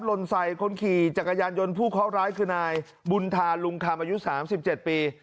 ลนใส่คนขี่จักรยานยนต์ผู้เคาะร้ายคือนายบุญธาลุงคำอายุ๓๗ปี